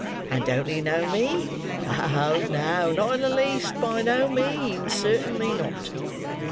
And don't he know me? Oh, no! Not in the least! By no means. Certainly not!"